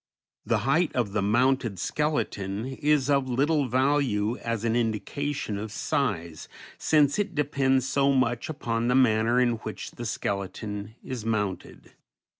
The height of the mounted skeleton is of little value as an indication of size, since it depends so much upon the manner in which the skeleton is mounted.